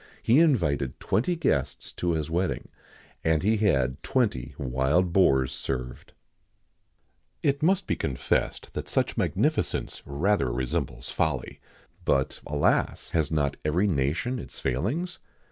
He invited twenty guests to his wedding, and he had twenty wild boars served.[XIX 70] It must be confessed that such magnificence rather resembles folly; but, alas! has not every nation its failings?